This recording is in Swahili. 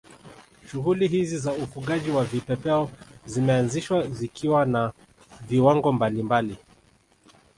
Shughuli hizi za ufugaji wa vipepeo zimeanzishwa zikiwa na viwango mbalimbali